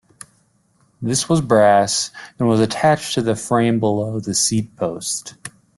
This was brass and was attached to the frame below the seat post.